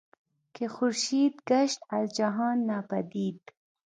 که خورشید گشت از جهان ناپدید